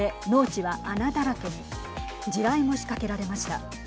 地雷も仕掛けられました。